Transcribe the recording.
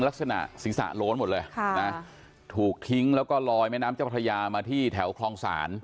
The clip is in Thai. ลักษณะศีรษะโล้นหมดเลยถูกทิ้งแล้วก็ลอยแม่น้ำเจ้าพระยามาที่แถวคลองศาล